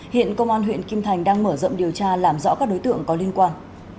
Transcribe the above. hiện công an huyện kim thành đang mở rộng điều tra làm rõ các đối tượng có liên quan